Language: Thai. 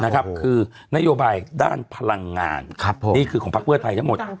คือนโยบายด้านพลังงานนี่คือของพักเพื่อไทยทั้งหมด